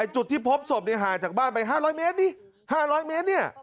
จุดที่พบศพห่างจากบ้านไป๕๐๐เมตรนี่๕๐๐เมตรเนี่ย